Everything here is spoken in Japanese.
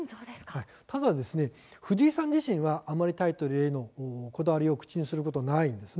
ただ藤井さん自身は、あまりタイトルへのこだわりを口にすることはないんです。